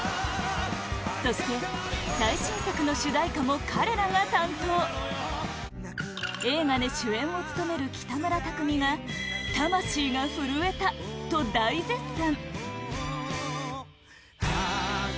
そして最新作の主題歌も彼らが担当映画で主演を務める北村匠海が魂が震えたと大絶賛！